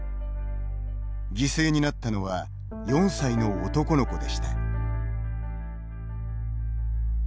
犠牲になったのは４歳の男の子でした。